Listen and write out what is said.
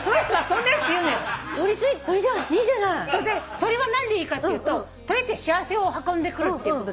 鳥は何でいいかっていうと鳥って幸せを運んでくるってことで。